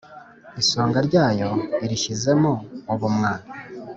Isonga ryayo irishyizemo ubumwa,